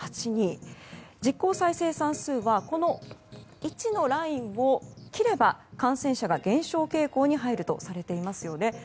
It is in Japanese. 実効再生産数はこの１のラインを切れば感染者が減少傾向に入るとされていますよね。